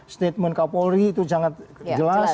statement kapolri itu sangat jelas